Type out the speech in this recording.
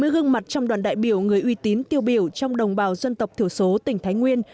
sáu mươi gương mặt trong đoàn đại biểu người uy tín tiêu biểu trong đồng bào dân tộc thiểu số tỉnh thái nguyên